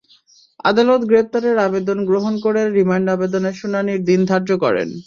আদালত গ্রেপ্তারের আবেদন গ্রহণ করে রিমান্ড আবেদনের শুনানির দিন ধার্য করেন।